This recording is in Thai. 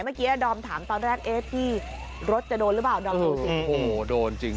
เมื่อกี้อ่ะดอมถามตอนแรกเอ๊ะที่รถจะโดนหรือเปล่าอืมโหโดนจริง